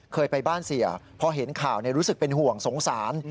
เคยไปบ้านเสียพอเห็นข่าวรู้สึกเป็นห่วงสงสาร